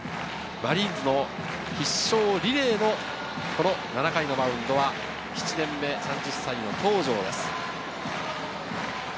マリーンズの必勝リレーの７回のマウンドは、７年目３０歳の東條です。